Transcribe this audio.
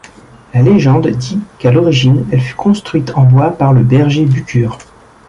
La légende dit qu'à l'origine elle fut construite en bois par le berger Bucur.